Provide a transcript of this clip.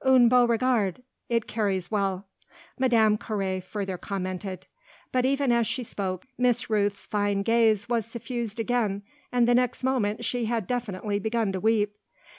"Un beau regard it carries well." Madame Carré further commented. But even as she spoke Miss Rooth's fine gaze was suffused again and the next moment she had definitely begun to weep.